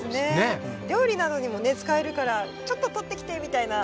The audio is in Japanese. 料理などにも使えるから「ちょっととってきて」みたいな。